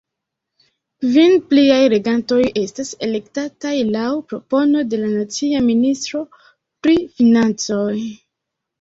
Kvin pliaj regantoj estas elektataj laŭ propono de la nacia ministro pri financoj.